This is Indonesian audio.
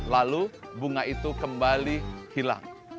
lalu bunga itu kembali hilang